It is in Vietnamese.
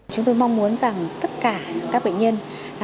chúng tôi mong muốn rằng tất cả các bệnh nhân